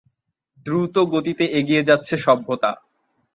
দ্রুত গতিতে এগিয়ে যাচ্ছে সভ্যতা।